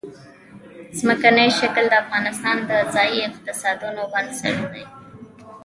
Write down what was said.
ځمکنی شکل د افغانستان د ځایي اقتصادونو بنسټ دی.